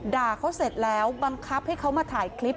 ด่าเขาเสร็จแล้วบังคับให้เขามาถ่ายคลิป